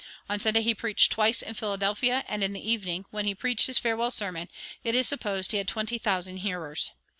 On Sunday he preached twice in Philadelphia, and in the evening, when he preached his farewell sermon, it is supposed he had twenty thousand hearers.